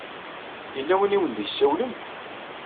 Yella win i awen-d-isawlen?